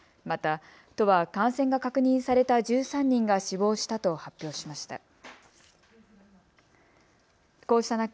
また都は感染が確認された１３人が死亡したと発表しました。